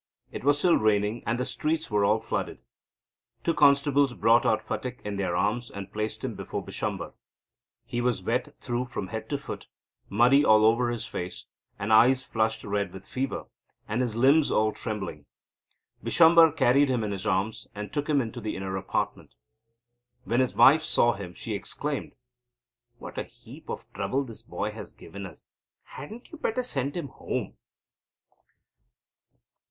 It was still raining and the streets were all flooded. Two constables brought out Phatik in their arms and placed him before Bishamber. He was wet through from head to foot, muddy all over, his face and eyes flushed red with fever, and his limbs all trembling. Bishamber carried him in his arms, and took him into the inner apartments. When his wife saw him, she exclaimed; "What a heap of trouble this boy has given us. Hadn't you better send him home?"